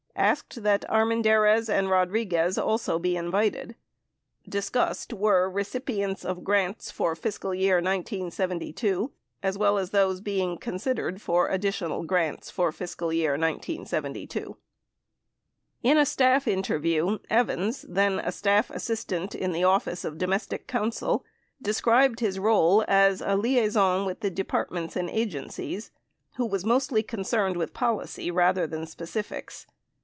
Asked that Armendariz and Rodri guez also be invited. Discussed were recipients of grants for FY 1972 as well as those being considered for additional grants for FY 1972. 78 In a staff interview, Evans, then a staff assistant in the Office of Domestic Council, described his role as a "liaison with the Departments and Agencies" who was mostly concerned with policy rather than spe cifics.